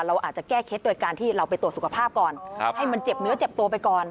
เราอาจจะแก้เคล็ดโดยการที่เราไปตรวจสุขภาพก่อนให้มันเจ็บเนื้อเจ็บตัวไปก่อน